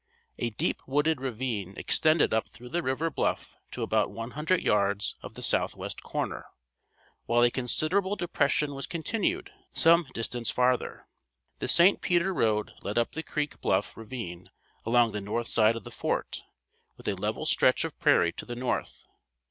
A deep wooded ravine extended up through the river bluff to about one hundred yards of the southwest corner, while a considerable depression was continued some distance farther. The St. Peter road led up the creek bluff ravine along the north side of the fort, with a level stretch of prairie to the north.